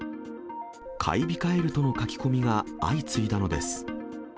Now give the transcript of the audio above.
買い控えるとの書き込みが相次いだのです。